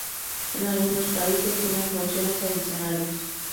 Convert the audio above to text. En algunos países tienen funciones adicionales.